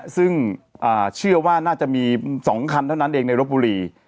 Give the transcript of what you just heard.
ซึ่งเชื่อว่าน่าจะมี๒คันเท่านั้นเองในรบบุรี